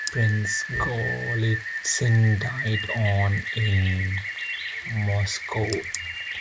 Prince Golitsyn died on in Moscow.